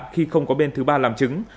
khi không có bên thứ ba làm chứng